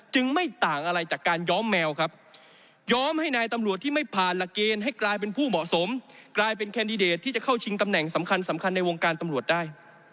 ไม่ต่างอะไรจากการย้อมแมวครับย้อมให้นายตำรวจที่ไม่ผ่านหลักเกณฑ์ให้กลายเป็นผู้เหมาะสมกลายเป็นแคนดิเดตที่จะเข้าชิงตำแหน่งสำคัญสำคัญในวงการตำรวจได้